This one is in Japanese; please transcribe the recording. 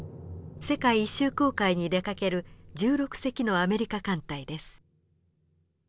世界一周航海に出かける１６隻のアメリカ艦隊です。